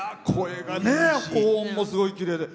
高音も、すごいきれいで。